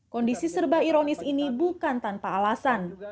kondisi serba ironis ini bukan tanpa alasan